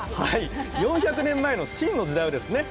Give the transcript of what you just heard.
４００年前の清の時代はですね